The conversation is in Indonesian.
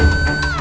aku tak mau